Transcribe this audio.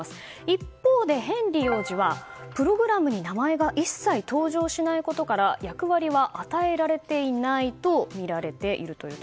一方でヘンリー王子はプログラムに名前が一切登場しないことから役割は与えられていないとみられています。